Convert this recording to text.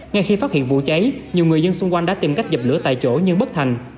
ngay khi phát hiện vụ cháy nhiều người dân xung quanh đã tìm cách dập lửa tại chỗ nhưng bất thành